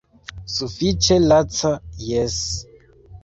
Sufiĉe laca, jes.